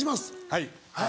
はい。